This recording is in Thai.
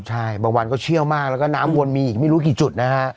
ใช่บางวันก็เชี่ยวมากแล้วก็น้ำวนมีอีกไม่รู้กี่จุดนะฮะ